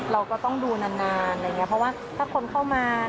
เราก็ต้องดูนานอะไรอย่างนี้เพราะว่าถ้าคนเข้ามา